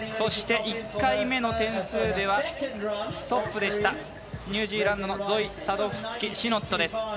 １回目の点数ではトップでしたニュージーランドのゾイ・サドフスキシノット。